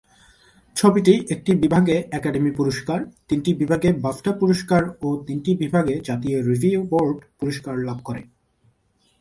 ছবিটি একটি বিভাগে একাডেমি পুরস্কার, তিনটি বিভাগে বাফটা পুরস্কার ও তিনটি বিভাগে জাতীয় রিভিউ বোর্ড পুরস্কার লাভ করে।